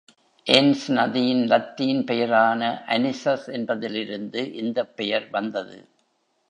Ends நதியின் லத்தீன் பெயரான "அனிசஸ்" என்பதிலிருந்து இந்தப் பெயர் வந்தது.